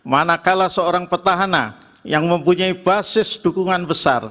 manakala seorang petahana yang mempunyai basis dukungan besar